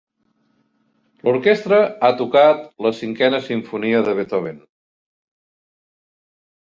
L'orquestra ha tocat la cinquena simfonia de Beethoven.